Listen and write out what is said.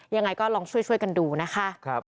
ยังไงก็ลองช่วยกันดูนะคะ